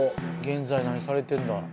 現在何されてるんだ？